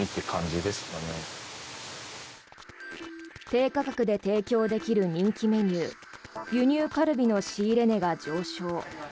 低価格で提供できる人気メニュー輸入カルビの仕入れ値が上昇。